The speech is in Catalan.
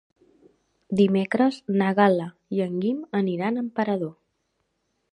Dimecres na Gal·la i en Guim aniran a Emperador.